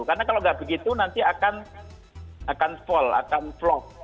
karena kalau nggak begitu nanti akan fall akan flop